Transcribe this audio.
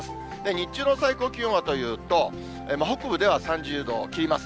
日中の最高気温はというと、北部では３０度を切ります。